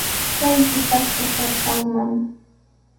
Chay shipashqa trapsa umami.